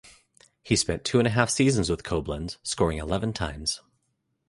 He spent two and a half seasons with Koblenz, scoring eleven times.